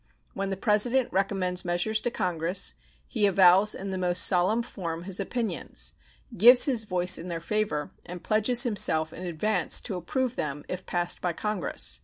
When the President recommends measures to Congress, he avows in the most solemn form his opinions, gives his voice in their favor, and pledges himself in advance to approve them if passed by Congress.